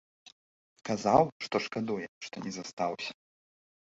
Казаў, што шкадуе, што не застаўся.